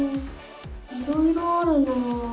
いろいろあるなあ。